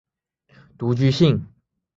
独居性。